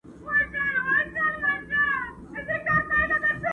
o څوک و یوه او څوک وبل ته ورځي.